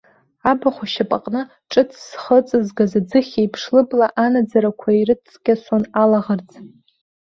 Абахә ашьапаҟны ҿыц зхы ыҵызгаз аӡыхь еиԥш, лыбла анаӡарақәа ирыҵкьасон алаӷырӡ.